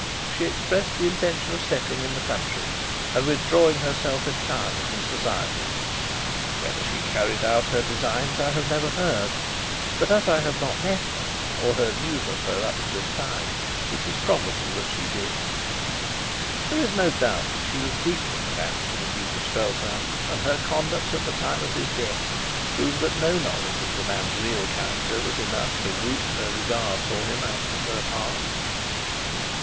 She expressed the intention of settling in the country, and withdrawing herself entirely from society. Whether she carried out her designs, I have never heard; but as I have not met her, or heard news of her up to this time, it is probable that she did. There is no doubt that she was deeply attached to the Duke of Strelsau; and her conduct at the time of his death proved that no knowledge of the man's real character was enough to root her regard for him out of her heart.